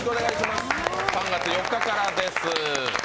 ３月４日からです。